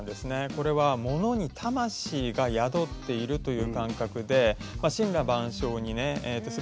これはものに魂が宿っているという感覚で森羅万象にねすべて魂があるというね